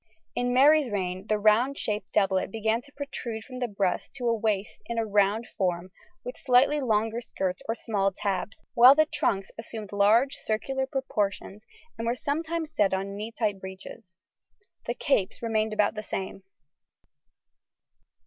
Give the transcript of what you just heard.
] In Mary's reign the round shaped doublet began to protrude from the breast to the waist in a round form with slightly longer skirts or small tabs, while the trunks assumed large circular proportions and were sometimes set on tight knee breeches. The capes remained about the same.